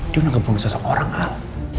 dia udah ngebunuh seseorang al